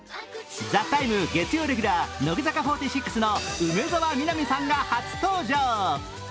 月曜レギュラー乃木坂４６の梅澤美波さんが初登場。